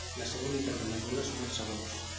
La seva unitat de mesura són els segons.